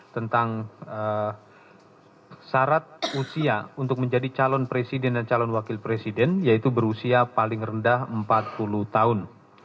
tentang syarat usia untuk menjadi calon presiden dan calon wakil presiden yaitu berusia paling rendah empat puluh tahun